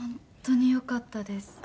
本当によかったです。